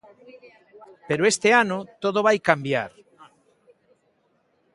Pero este ano todo vai cambiar...